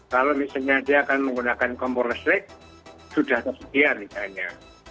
kalau misalnya dia akan menggunakan kompor listrik sudah tersedia misalnya